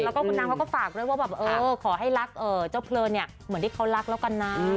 แล้วก็คุณนางเขาก็ฝากด้วยว่าแบบเออขอให้รักเจ้าเพลินเนี่ยเหมือนที่เขารักแล้วกันนะ